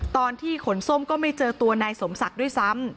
ตอนที่ขนส้มก็ไม่เจอตัวนายสมศักดิ์ด้วยซ้ำ